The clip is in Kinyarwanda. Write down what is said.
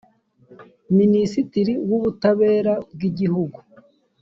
minisitiri w’ ubutabera bwigihugu.